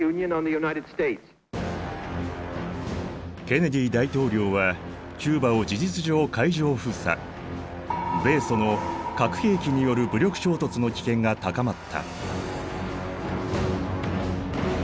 ケネディ大統領はキューバを事実上海上封鎖米ソの核兵器による武力衝突の危険が高まった。